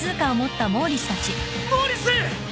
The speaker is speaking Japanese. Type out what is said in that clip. モーリス！